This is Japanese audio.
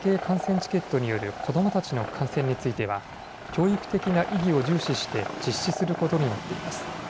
チケットによる子どもたちの観戦については教育的な意義を重視して実施することになっています。